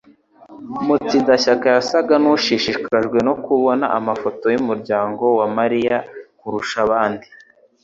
Mutsindashyaka yasaga nkushishikajwe no kubona amafoto yumuryango wa Mariya kurusha abandi.